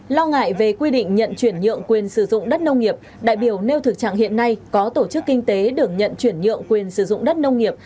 lo ngại về quy định nhận chuyển nhượng quyền sử dụng đất nông nghiệp đại biểu nêu thực trạng hiện nay có tổ chức kinh tế được nhận chuyển nhượng quyền sử dụng đất nông nghiệp